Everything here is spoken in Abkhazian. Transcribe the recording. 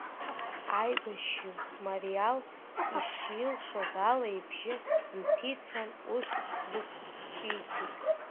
Аибашьҩы Мариал ишилшоз ала ибжьы нҭицан, ус рықәҿиҭит…